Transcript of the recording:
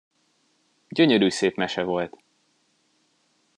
Gyönyörű szép mese volt!